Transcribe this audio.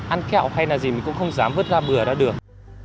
ăn kẹo hay là gì mình cũng không dám vứt ra bừa ra đường